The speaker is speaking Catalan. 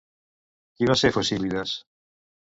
Qui va ser Focílides?